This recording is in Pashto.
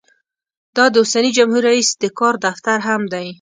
دا د اوسني جمهور رییس د کار دفتر هم دی.